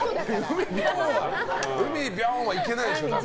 海びょーん！はいけないでしょ。